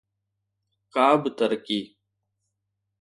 ڪابه ترقي.